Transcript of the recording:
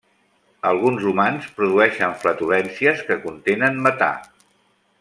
Alguns humans produeixen flatulències que contenen metà.